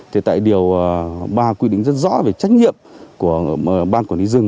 thì tại điều ba quy định rất rõ về trách nhiệm của ban quản lý rừng